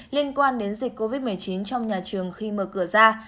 liên quan đến dịch covid một mươi chín trong nhà trường khi mở cửa ra